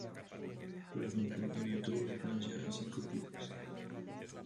Por ejemplo, en el Tour de Francia hay cinco tipos.